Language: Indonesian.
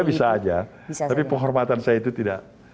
ya bisa saja tapi penghormatan saya itu tidak bersurut ada kuasa